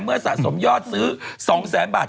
เมื่อสะสมยอดซื้อ๒๐๐๐๐๐บาท